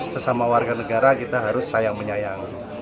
sesama warga negara kita harus sayang menyayang